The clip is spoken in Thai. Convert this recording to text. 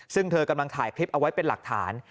ซึ่งเธอกำลังถ่ายคลิปเอาไว้เป็นหลักฐาน